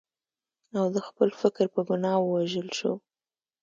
او د خپل فکر په ګناه ووژل شو.